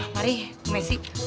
mari bu messi